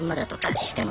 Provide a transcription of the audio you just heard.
システマ！